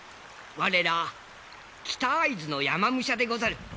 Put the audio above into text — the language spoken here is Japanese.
我ら北会津の山武者でござる。